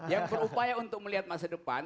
yang berupaya untuk melihat masa depan